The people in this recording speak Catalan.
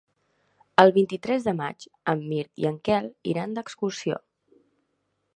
El vint-i-tres de maig en Mirt i en Quel iran d'excursió.